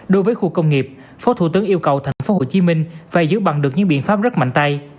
đối với khu công nghiệp phó thủ tướng yêu cầu thành phố hồ chí minh phải giữ bằng được những biện pháp rất mạnh tay